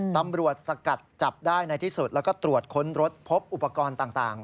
สกัดจับได้ในที่สุดแล้วก็ตรวจค้นรถพบอุปกรณ์ต่าง